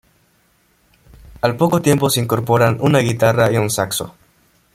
Al poco tiempo se incorporan una guitarra y un saxo.